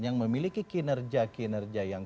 yang memiliki kinerja kinerja yang